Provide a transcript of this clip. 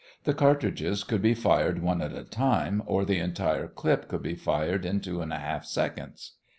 The cartridges could be fired one at a time, or the entire clip could be fired in two and a half seconds.